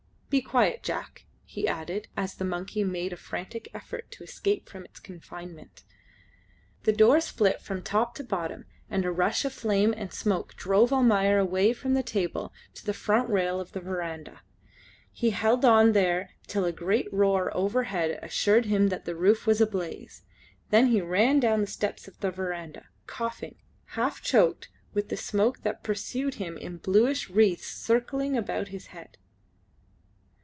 "Be quiet, Jack," he added, as the monkey made a frantic effort to escape from its confinement. The door split from top to bottom, and a rush of flame and smoke drove Almayer away from the table to the front rail of the verandah. He held on there till a great roar overhead assured him that the roof was ablaze. Then he ran down the steps of the verandah, coughing, half choked with the smoke that pursued him in bluish wreaths curling about his head.